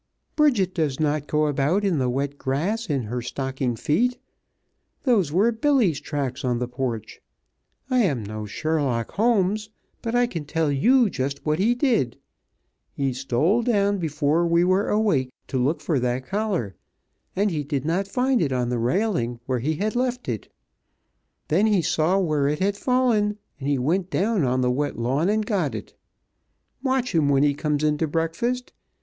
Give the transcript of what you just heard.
"Bridget does not go about in the wet grass in her stocking feet. Those were Billy's tracks on the porch. I am no Sherlock Holmes, but I can tell you just what he did. He stole down before we were awake, to look for that collar, and he did not find it on the railing where he had left it. Then he saw it where it had fallen and he went down on the wet lawn and got it. Watch him when he comes in to breakfast.